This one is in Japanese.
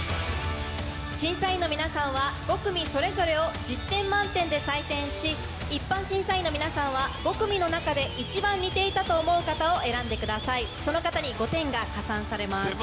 審査員の皆さんは５組それぞれを１０点満点で採点し一般審査員の皆さんは５組の中で一番似ていたと思う方を選んでくださいその方に５点が加算されます。